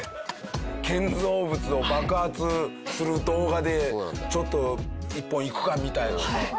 建造物を爆発する動画でちょっと一本いくかみたいなさ。